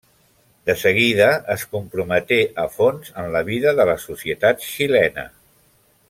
De seguida es comprometé a fons en la vida de la societat xilena.